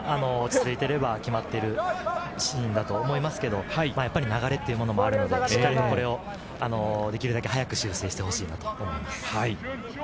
落ち着いていれば決まっているシーンだと思いますけど、やっぱり流れというのもあるので、しっかりとこれをできるだけ早く修正してほしいなと思います。